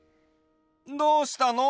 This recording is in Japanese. どうしたの？